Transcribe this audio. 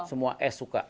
semua es suka